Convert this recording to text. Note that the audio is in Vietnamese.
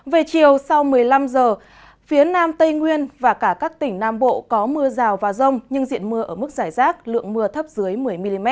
về chiều sau một mươi năm h phía nam tây nguyên và cả các tỉnh nam bộ có mưa rào và rông nhưng diện mưa ở mức giải rác lượng mưa thấp dưới một mươi mm